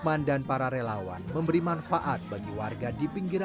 senang lah sebenarnya ini